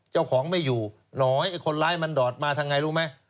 เจ้าของไม่อยู่น้อยไอ้คนร้ายมันดอดมาทำไงรู้ไหม